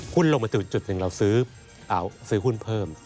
หุ้นลงมาถึงจุดหนึ่งเราซื้อหุ้นเพิ่ม